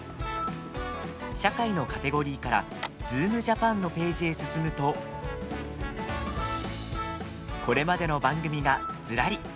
社会のカテゴリーから「ズームジャパン」のページへ進むとこれまでの番組が、ずらり。